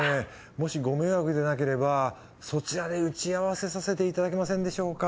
もしご迷惑でなければそちらで打ち合わせさせていただけませんでしょうか？